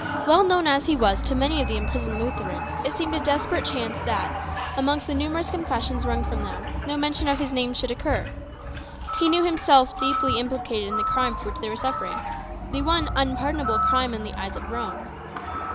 Well known as he was to many of the imprisoned Lutherans, it seemed a desperate chance that, amongst the numerous confessions wrung from them, no mention of his name should occur. He knew himself deeply implicated in the crime for which they were suffering the one unpardonable crime in the eyes of Rome.